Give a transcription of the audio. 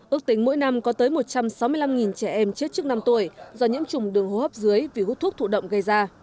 ước tính mỗi năm có tới một trăm sáu mươi năm trẻ em chết trước năm tuổi do nhiễm trùng đường hô hấp dưới vì hút thuốc thụ động gây ra